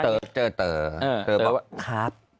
เติร์เติร์บอกครับ